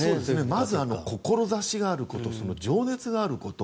まず志があること情熱があること。